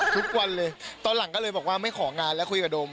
ทุกวันเลยตอนหลังก็เลยบอกว่าไม่ของานแล้วคุยกับโดม